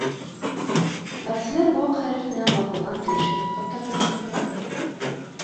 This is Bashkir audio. Бәғзеләр, ваҡ хәреф менән баҫылған килешеүҙе уҡып та тормай, ҡул ҡуя.